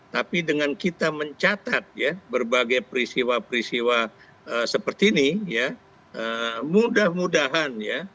tapi dengan kita mencatat ya berbagai peristiwa peristiwa seperti ini ya mudah mudahan ya